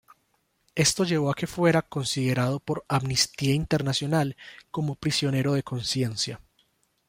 Esto llevó a que fuera considerado por Amnistía Internacional como prisionero de conciencia.